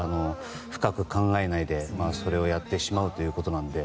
深く考えないで、それをやってしまうということなので。